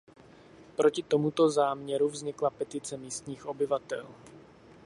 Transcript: Proti tomuto záměru vznikla petice místních obyvatel.